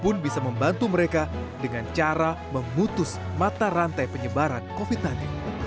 pun bisa membantu mereka dengan cara memutus mata rantai penyebaran covid sembilan belas